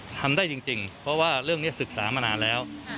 ทำได้จริงเพราะว่าเรื่องนี้ศึกษามานานแล้ว